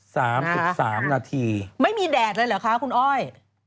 สามสิบสามนาทีไม่มีแดดเลยเหรอคะคุณอ้อย